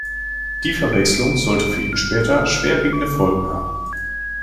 Die Verwechslung sollte für ihn später schwerwiegende Folgen haben.